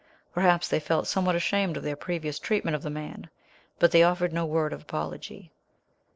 Perhaps they felt somewhat ashamed of their previous treatment of the man, but they offered no word of apology.